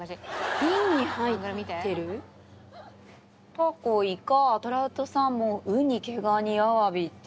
タコイカトラウトサーモンウニ毛ガニアワビって。